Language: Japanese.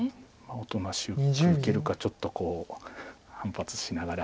おとなしく受けるかちょっと反発しながら。